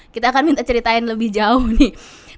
kita akan minta ceritain lebih jauh nih